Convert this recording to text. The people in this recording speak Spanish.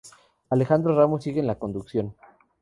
Alejandro Ramos sigue en la conducción.